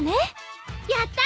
やった！